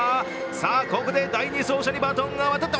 ここで第２走者にバトンが渡った。